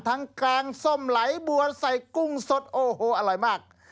แกงส้มไหลบัวใส่กุ้งสดโอ้โหอร่อยมาก